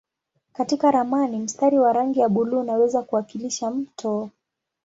Katika ramani mstari wa rangi ya buluu unaweza kuwakilisha mto.